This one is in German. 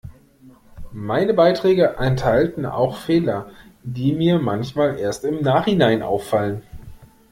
Meine Beiträge enthalten auch Fehler, die mir manchmal erst im Nachhinein auffallen.